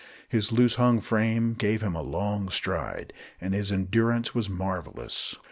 His loose hung frame gave him a long stride, and his endurance was marvellous.